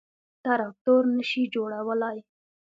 _تراکتور نه شي جوړولای.